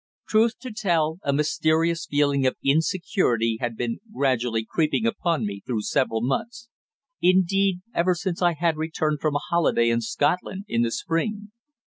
Truth to tell, a mysterious feeling of insecurity had been gradually creeping upon me through several months; indeed ever since I had returned from a holiday in Scotland in the spring.